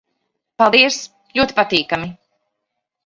Paldies. Ļoti patīkami...